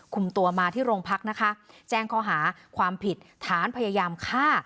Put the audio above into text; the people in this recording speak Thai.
คุมตัวมาที่โรงพักนะคะแจ้งข้อหาความผิดฐานพยายามฆ่า